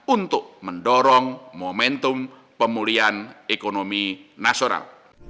untuk mendorong momentum pemulihan ekonomi nasional